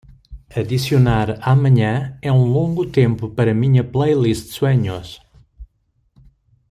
Adicionar Amanhã é um longo tempo para minha playlist Sueños